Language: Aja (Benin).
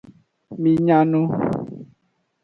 Mi nya nu.